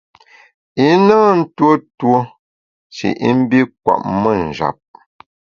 I na ntuo tuo shi i mbi kwet me njap.